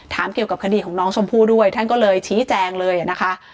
เกี่ยวกับคดีของน้องชมพู่ด้วยท่านก็เลยชี้แจงเลยนะคะ